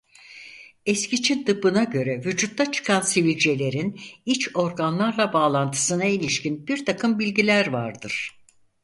Eski Çin Tıbbı'na göre vücutta çıkan sivilcelerin iç organlarla bağlantısına ilişkin birtakım bilgiler vardır.